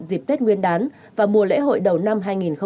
dịp tết nguyên đán và mùa lễ hội đầu năm hai nghìn hai mươi